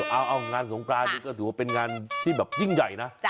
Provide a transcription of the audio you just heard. เอางานสงกรานนี้ก็ถือว่าเป็นงานที่แบบยิ่งใหญ่นะ